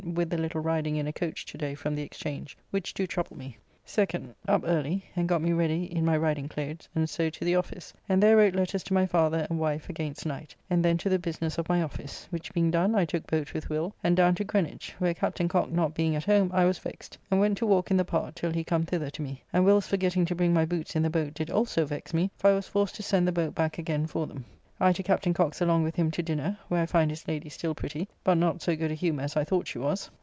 with the little riding in a coach to day from the Exchange, which do trouble me. 2nd. Up early, and got me ready in my riding clothes, and so to the office, and there wrote letters to my father and wife against night, and then to the business of my office, which being done, I took boat with Will, and down to Greenwich, where Captain Cocke not being at home I was vexed, and went to walk in the Park till he come thither to me: and Will's forgetting to bring my boots in the boat did also vex me, for I was forced to send the boat back again for them. I to Captain Cocke's along with him to dinner, where I find his lady still pretty, but not so good a humour as I thought she was.